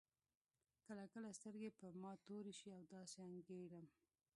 کله کله سترګې په ما تورې شي او داسې انګېرم.